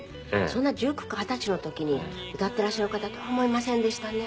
そんな１９か二十歳の時に歌っていらっしゃる方とは思いませんでしたね。